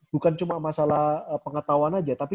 bukan cuma masalah pengetahuan aja tapi